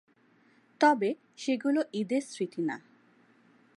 তবে সেগুলো ঈদের স্মৃতি না।